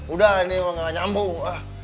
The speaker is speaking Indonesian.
udah ini mah gak nyambung